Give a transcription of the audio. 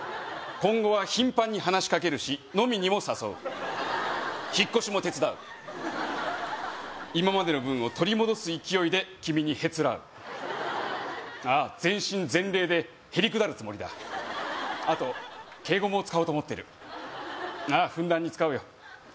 今後は頻繁に話しかけるし飲みにも誘う引っ越しも手伝う今までの分を取り戻す勢いで君にへつらうああ全身全霊でへりくだるつもりだあと敬語も使おうと思ってるああふんだんに使うよ